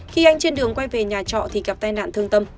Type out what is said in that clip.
khi anh trên đường quay về nhà trọ thì gặp tai nạn thương tâm